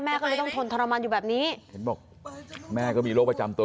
ก็เลยต้องทนทรมานอยู่แบบนี้เห็นบอกแม่ก็มีโรคประจำตัว